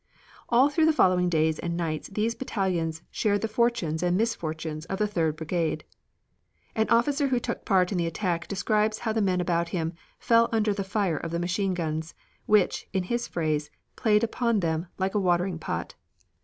All through the following days and nights these battalions shared the fortunes and misfortunes of the Third brigade. An officer who took part in the attack describes how the men about him fell under the fire of the machine guns, which, in his phrase, played upon them "like a watering pot."